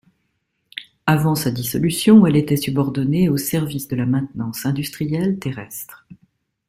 Avant sa dissolution, elle était subordonnée au Service de la maintenance industrielle terrestre.